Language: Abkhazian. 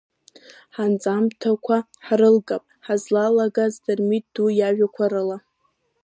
Ҳанҵамҭақәа ҳрылгап ҳазлалагаз, Дырмит ду иажәақәа рыла…